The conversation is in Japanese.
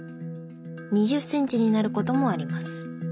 ２０センチになることもあります。